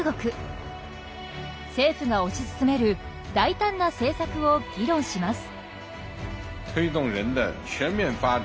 政府が推し進める大胆な政策を議論します。